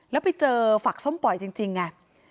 แล้วไปเจอฝักส้มปล่อยจริงไง